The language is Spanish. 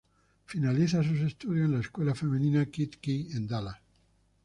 Finaliza sus estudios en la escuela femenina "Kidd-Key" en Dallas.